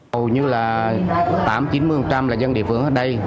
hầu như là tám chín mươi là dân địa phương ở đây